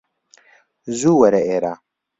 زوو وەرە ئێرە